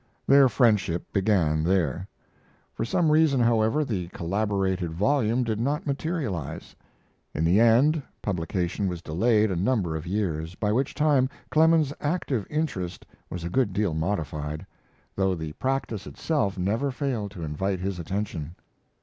Their friendship began there. For some reason, however, the collaborated volume did not materialize. In the end, publication was delayed a number of years, by which time Clemens's active interest was a good deal modified, though the practice itself never failed to invite his attention.